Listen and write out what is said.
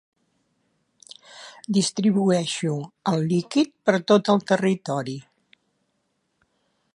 Distribueixo el líquid per tot el territori.